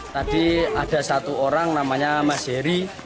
tadi ada satu orang namanya mas heri